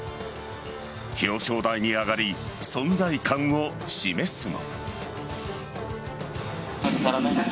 表彰台に上がり、存在感を示すも。